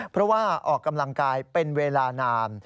เพราะว่าออกกำลังกายเป็นเวลานาน